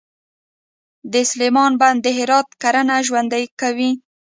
د سلما بند د هرات کرنه ژوندي کوي